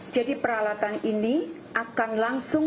peralatan ini akan langsung